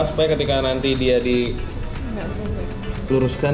supaya ketika nanti dia di luruskan